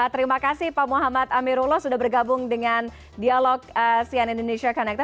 terima kasih pak muhammad amirullah sudah bergabung dengan dialog sian indonesia connected